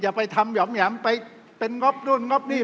อย่าไปทำหย่อมหย่ำไปเป็นงบนู่นงบนี่